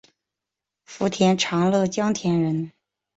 福建长乐江田人。